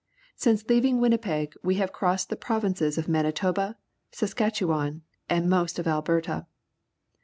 Since leaving Winnipeg we have crossed the provinces of Manitoba, Saskatche wan, and most of Alberta.